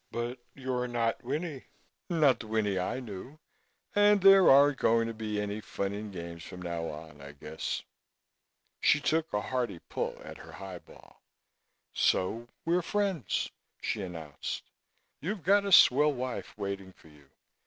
But you're not Winnie not the Winnie I knew and there aren't going to be any fun and games from now on, I guess." She took a hearty pull at her highball. "So we're friends," she announced. "You've got a swell wife waiting for you.